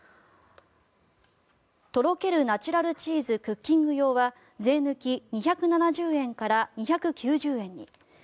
とろけるナチュラルチーズクッキング用は税抜き２７０円から２９０円に。